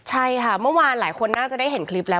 ใช่ค่ะเมื่อวานหลายคนน่าจะได้เห็นคลิปแล้ว